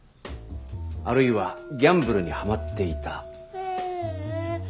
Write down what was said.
あるいはギャンブルにハマっていた？